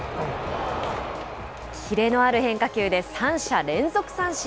きれのある変化球で、３者連続三振。